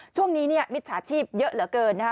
ช่วงนี้มิตรสาธิบเยอะเหลือเกินนะคะ